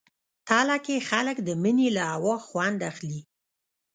تله کې خلک د مني له هوا خوند اخلي.